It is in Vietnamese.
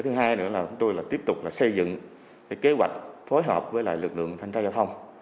thứ hai nữa là chúng tôi tiếp tục xây dựng kế hoạch phối hợp với lực lượng cảnh sát giao thông